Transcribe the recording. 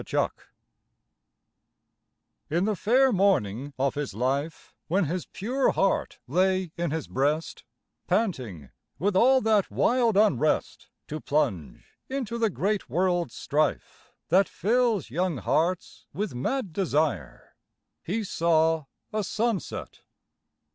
TWO SUNSETS In the fair morning of his life, When his pure heart lay in his breast, Panting, with all that wild unrest To plunge into the great world's strife That fills young hearts with mad desire, He saw a sunset.